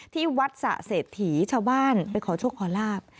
ที่วัดสะเศรษฐีชาวบ้านไปขอโชคขอลาบ